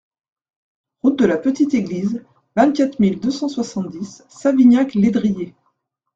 Route de la Petite Église, vingt-quatre mille deux cent soixante-dix Savignac-Lédrier